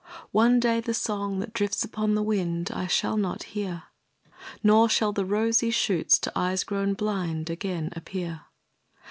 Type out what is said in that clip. One day the song that drifts upon the wind, I shall not hear; Nor shall the rosy shoots to eyes grown blind Again appear.